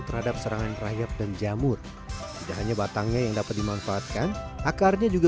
terhadap serangan rayap dan jamur tidak hanya batangnya yang dapat dimanfaatkan akarnya juga